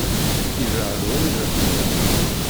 Yebεed wanida tella.